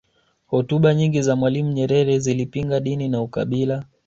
hotuba nyingi za mwalimu nyerere zilipinga dini na ukabila